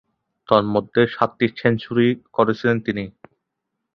তন্মধ্যে, সাতটি সেঞ্চুরি করেছিলেন তিনি।